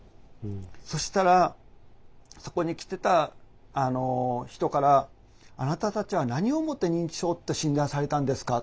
そしたらそこに来てた人から「あなたたちは何をもって認知症って診断されたんですか？」。